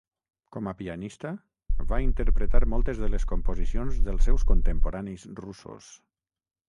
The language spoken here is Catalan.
Com a pianista, va interpretar moltes de les composicions dels seus contemporanis russos.